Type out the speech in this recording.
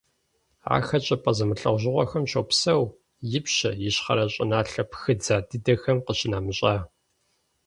Ахэр щӀыпӀэ зэмылӀэужьыгъуэхэм щопсэу, ипщэ, ищхъэрэ щӀыналъэ пхыдза дыдэхэм къищынэмыщӀа.